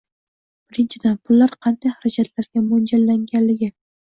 Birinchidan – pullar qanday xarajatlarga mo‘ljallanganligi